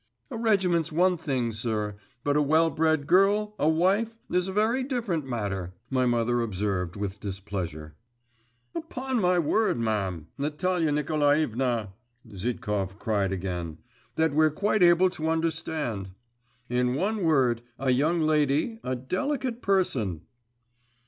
'A regiment's one thing, sir, but a well bred girl, a wife, is a very different matter,' my mother observed with displeasure. 'Upon my word, ma'am! Natalia Nikolaevna!' Zhitkov cried again, 'that we're quite able to understand. In one word: a young lady, a delicate person!